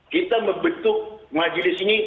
kita membentuk majelis ini